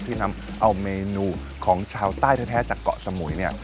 ที่นำเอาเมนูของชาวใต้แท้จากเกาะสมุยเนี่ย